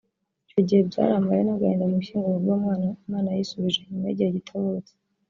Icyo gihe byari amarira n’agahinda mu ishyingurwa ry’uwo mwana Imana yisubije nyuma y’igihe gito avutse